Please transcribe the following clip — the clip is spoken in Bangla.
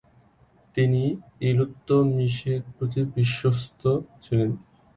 তিনি ইলতুৎমিশের প্রতি বিশ্বস্ত ছিলেন।